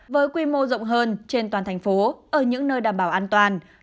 với quy mô rộng hơn trên toàn thành phố ở những nơi đảm bảo ăn